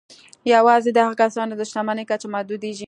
یوازې د هغو کسانو د شتمني کچه محدودېږي